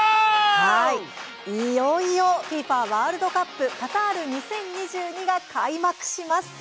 いよいよ「ＦＩＦＡワールドカップカタール２０２２」が開幕します。